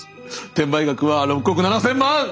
転売額は６億７，０００万！